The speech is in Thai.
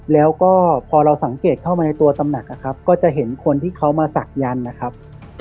แล้วก็พอเราสังเกตเข้ามาในตัวตำหนักนะครับก็จะเห็นคนที่เขามาศักดันนะครับ